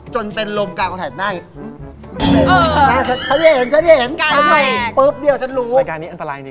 จนเป็นลมกลางกองถ่ายได้